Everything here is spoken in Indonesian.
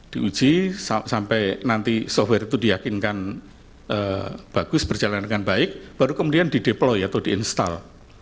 diuji sampai nanti software itu diyakinkan bagus berjalan dengan baik baru kemudian di deploy atau di install